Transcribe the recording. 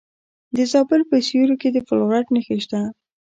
د زابل په سیوري کې د فلورایټ نښې شته.